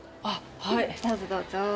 あっはい。